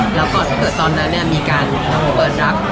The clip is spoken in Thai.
เพราะฉะนั้นเนี่ยมีการต้องรับ